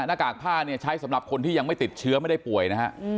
หน้ากากผ้าเนี่ยใช้สำหรับคนที่ยังไม่ติดเชื้อไม่ได้ป่วยนะฮะ